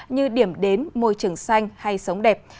như điểm đến môi trường xanh hay sống đẹp